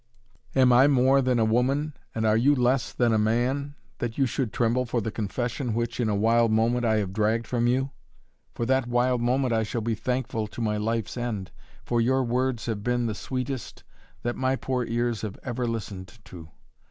Am I more than a woman and are you less than a man that you should tremble for the confession which, in a wild moment, I have dragged from you? For that wild moment I shall be thankful to my life's end, for your words have been the sweetest that my poor ears have ever listened to.